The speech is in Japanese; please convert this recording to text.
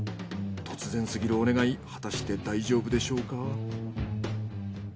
突然すぎるお願い果たして大丈夫でしょうか？